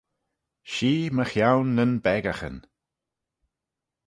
Shee mychione nyn beccaghyn.